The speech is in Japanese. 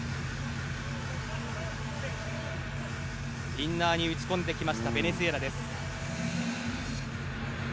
インナーに打ち込んできましたベネズエラです。